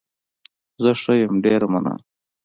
زه ښه يم، ډېره مننه.